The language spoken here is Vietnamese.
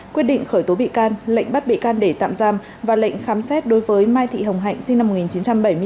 quyết định khởi tố bị can lệnh bắt bị can để tạm giam và lệnh khám xét đối với mai thị hồng hạnh sinh năm một nghìn chín trăm bảy mươi chín